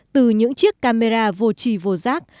từ những chiếc camera vô trì vô giác